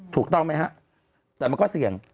ถูกต้องไหมฮะแต่มันก็เสี่ยง